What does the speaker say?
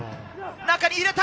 中に入れた！